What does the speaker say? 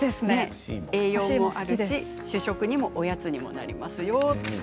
栄養もあるし主食にもおやつにもなりますよ。